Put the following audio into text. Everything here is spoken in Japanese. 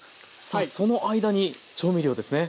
さあその間に調味料ですね。